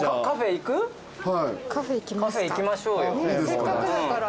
せっかくだから。